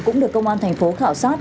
cũng được công an thành phố khảo sát